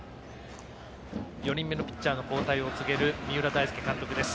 ４人目のピッチャーの交代を告げる三浦大輔監督です。